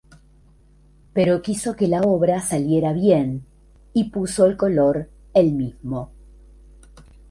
Pero quiso que la obra saliera bien y puso el color el mismo.